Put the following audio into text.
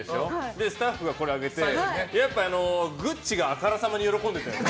で、スタッフがこれあげてグッチがあからさまに喜んでたよね。